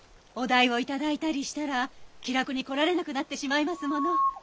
お代を頂いたりしたら気楽に来られなくなってしまいますもの。